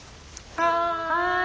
はい。